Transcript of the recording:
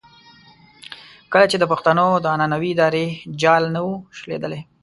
کله چې د پښتنو د عنعنوي ادارې جال نه وو شلېدلی.